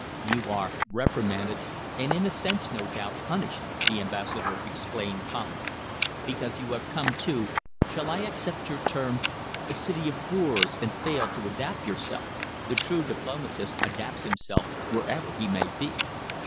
"You are reprimanded and in a sense, no doubt, punished," the Ambassador explained calmly, "because you have come to shall I accept your term? a city of boors and fail to adapt yourself. The true diplomatist adapts himself wherever he may be.